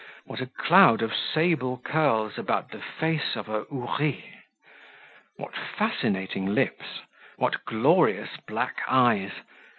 What a cloud of sable curls about the face of a houri! What fascinating lips! What glorious black eyes!